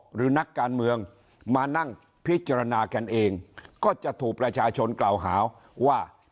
หรือนักการเมืองมานั่งพิจารณากันเองก็จะถูกประชาชนกล่าวหาว่า